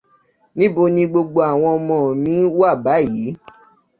Níbó ní gbogbo àwọn ọmọ mi wà báyìí?